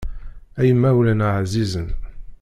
Ay imawlan εzizen.